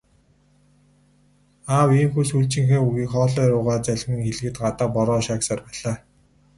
Аав ийнхүү сүүлчийнхээ үгийг хоолой руугаа залгин хэлэхэд гадаа бороо шаагьсаар байлаа.